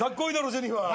ジェニファー。